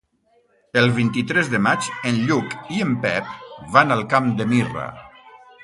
El vint-i-tres de maig en Lluc i en Pep van al Camp de Mirra.